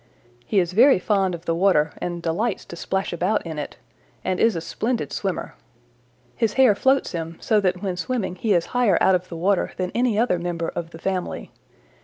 "He is very fond of the water and delights to splash about in it, and is a splendid swimmer. His hair floats him so that when swimming he is higher out of water than any other member of the family.